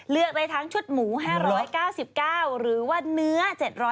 เลือกได้ทั้งชุดหมู๕๙๙หรือว่าเนื้อ๗๐๐